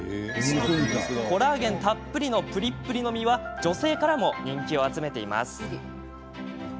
コラーゲンたっぷりのプリップリの身は女性からも人気を集めています。